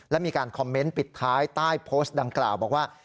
และมีการคอมเมนต์ปิดท้ายใต้โพสต์ดังกล่าวบอกว่า